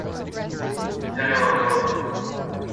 It was recorded in Soma Electric Studios in Chicago, Illinois.